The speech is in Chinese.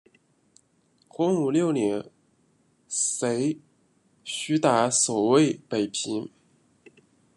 洪武六年随徐达守卫北平。